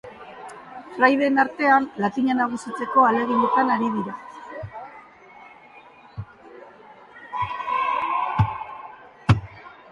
Fraideen artean, latina nagusitzeko ahaleginetan ari dira.